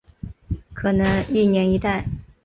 可能一年一代。